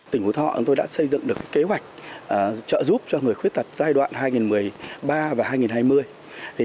tỉnh phú thọ chúng tôi đã xây dựng được kế hoạch trợ giúp cho người khuyết tật giai đoạn hai nghìn một mươi ba và hai nghìn hai mươi